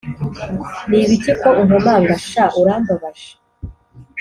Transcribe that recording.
Ni ibiki ko unkomanga? Sha urambabaje.